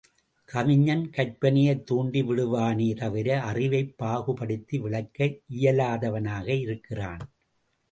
கவிஞன் கற்பனையைத் தூண்டி விடுவானே தவிர, அறிவைப் பாகுபடுத்தி விளக்க இயலாதவனாக இருக்கிறான்.